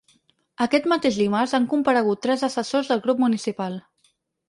Aquest mateix dimarts han comparegut tres assessors del grup municipal.